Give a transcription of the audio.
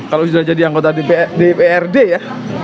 kalau sudah jadi anggota dprd ya